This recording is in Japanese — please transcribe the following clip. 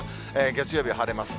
月曜日晴れます。